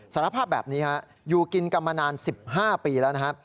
สารภาพแบบนี้ฮะอยู่กินกันมานาน๑๕ปีแล้วนะครับ